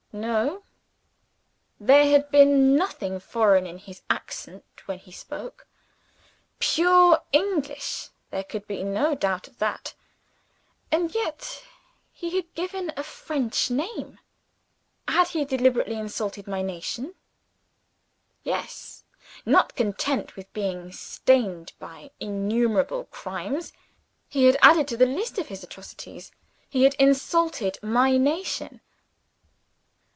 No! There had been nothing foreign in his accent when he spoke. Pure English there could be no doubt of that. And yet he had given a French name. Had he deliberately insulted my nation? Yes! Not content with being stained by innumerable crimes, he had added to the list of his atrocities he had insulted my nation!